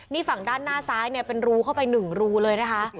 นี่ฝั่งด้านหน้าซ้ายเป็นรูเข้าไปหนึ่งรูเลยนะคะ